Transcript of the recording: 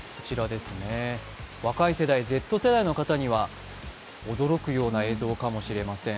若い世代、Ｚ世代の方には驚くような映像かもしれません。